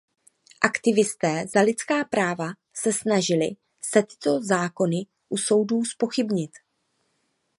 Aktivisté za lidská práva se snažili se tyto zákony u soudů zpochybnit.